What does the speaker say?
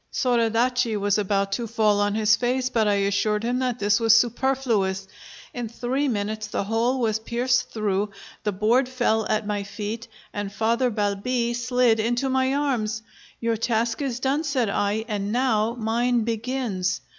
Soradaci was about to fall on his face, but I assured him that this was superfluous. In three minutes the hole was pierced through; the board fell at my feet, and Father Balbi slid into my arms. "Your task is done," said I, "and now mine begins."